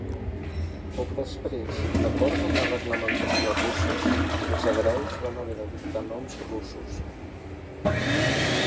Poc després, d'acord amb la reglamentació russa, els hebreus van haver d'adoptar noms russos.